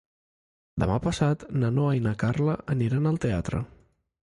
Demà passat na Noa i na Carla aniran al teatre.